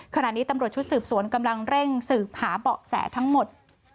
ขณะนี้ตำรวจชุดสืบสวนกำลังเร่งสืบหาเบาะแสทั้งหมด